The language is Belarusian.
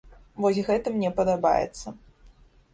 Вось гэта мне падабаецца.